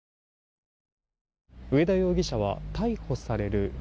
上田容疑者は逮捕される